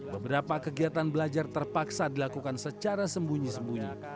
beberapa kegiatan belajar terpaksa dilakukan secara sembunyi sembunyi